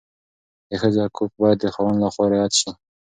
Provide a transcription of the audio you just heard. د ښځې حقوق باید د خاوند لخوا رعایت شي.